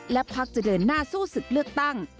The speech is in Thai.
และพักจะเดินหน้าสู้ศึกเลือกตั้ง